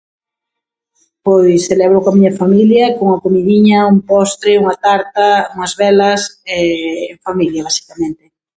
Pois celébroo coa miña familia e cunha comidiña, un postre, unha tarta, unhas velas... familia basicamente.